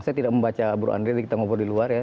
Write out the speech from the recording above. saya tidak membaca bur andri kita ngobrol di luar ya